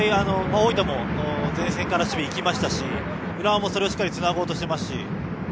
大分も前線から守備に行きましたし浦和もしっかりつなごうとしていますし。